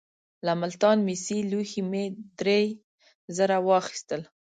له ملتان مسي لوښي مې درې زره واخیستل.